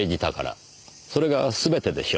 それがすべてでしょう。